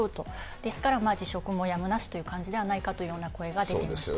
ですから辞職もやむなしという感じではないかというような声が出ていました。